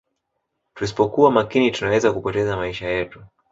tuspokuwa makini tunaweza kupoteza maisha yetu